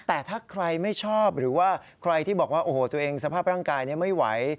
แต่ถ้าใครไม่ชอบหรือว่าใครที่บอกว่าโอ้โหตัวเองสภาพร่างกายไม่ไหว